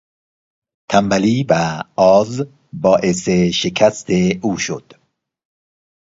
تنبلی و آز باعث شکست او شد.